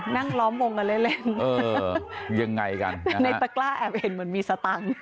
นั่งล้อมวงกันเล่นเล่นเออยังไงกันในตะกล้าแอบเห็นเหมือนมีสตังค์